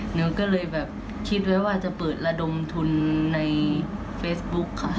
หนูก็เลยแบบคิดไว้ว่าจะเปิดระดมทุนในเฟซบุ๊คค่ะ